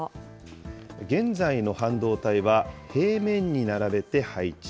現在の半導体は、平面に並べて配置。